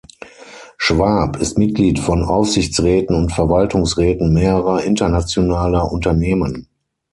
Schwab ist Mitglied von Aufsichtsräten und Verwaltungsräten mehrerer internationaler Unternehmen.